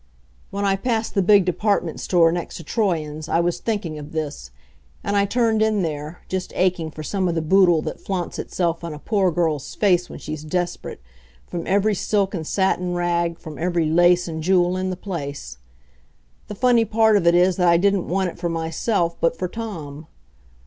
When I passed the big department store, next to Troyon's, I was thinking of this, and I turned in there, just aching for some of the boodle that flaunts itself in a poor girl's face when she's desperate, from every silk and satin rag, from every lace and jewel in the place. The funny part of it is that I didn't want it for myself, but for Tom.